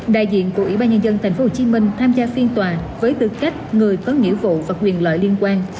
đại diện của ủy ban nhân dân tp hcm tham gia phiên tòa với tư cách người có nghĩa vụ và quyền lợi liên quan